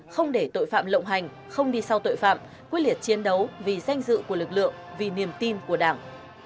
không để tội phạm lộng hành không đi sau tội phạm quyết liệt chiến đấu vì danh dự của lực lượng vì niềm tin của đảng